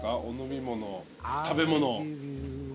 お飲み物食べ物。